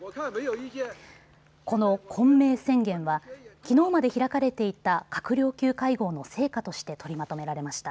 この昆明宣言はきのうまで開かれていた閣僚級会合の成果として取りまとめられました。